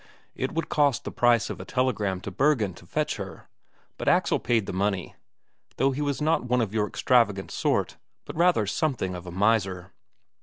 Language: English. It would cost the price of a telegram to Bergen to fetch her; but Axel paid the money, though he was not one of your extravagant sort, but rather something of a miser.